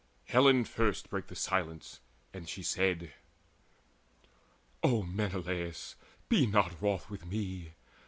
Helen first brake the silence, and she said: "O Menelaus, be not wroth with me!